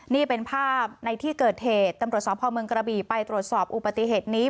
นี่เป็นภาพในที่เกิดเหตุตำรวจสพเมืองกระบี่ไปตรวจสอบอุบัติเหตุนี้